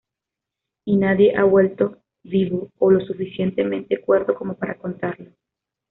Y nadie ha vuelto vivo o lo suficientemente cuerdo como para contarlo.